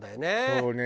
そうね。